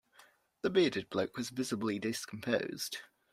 The bearded bloke was visibly discomposed.